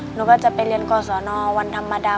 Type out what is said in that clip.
หนูก็จะไปเรียนกศนวันธรรมดา